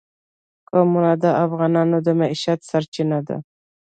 قومونه د افغانانو د معیشت سرچینه ده.